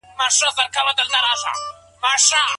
ایا فقهاء د طلاق پر محل موافق دي؟